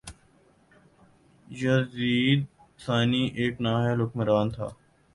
یزید ثانی ایک نااہل حکمران تھا